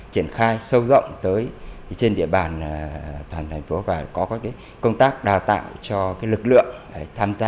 triển khai sâu rộng tới trên địa bàn toàn thành phố và có các công tác đào tạo cho lực lượng để tham gia